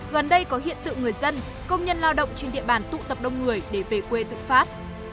gần đây có hiện tượng người dân công nhân lao động trên địa bàn tụ tập đông người để về quê tự phát